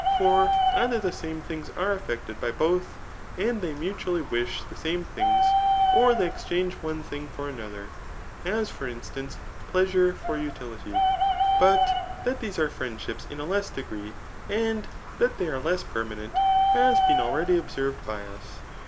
For either the same things are effected by both, and they mutually wish the same things, or they exchange one thing for another, as for instance, pleasure for udlity. But that these are friendships in a less degree, and that they are less permanent, has been already observed by us.